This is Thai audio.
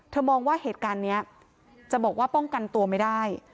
มองว่าเหตุการณ์นี้จะบอกว่าป้องกันตัวไม่ได้